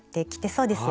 そうですね。